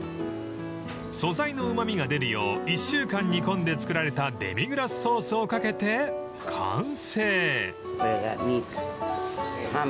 ［素材のうま味が出るよう１週間煮込んで作られたデミグラスソースを掛けて完成！］